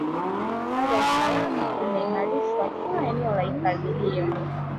Hali ya usalama imeimarishwa kila eneo la hifadhi hiyo